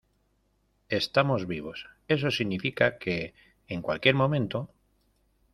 estamos vivos. eso significa que, en cualquier momento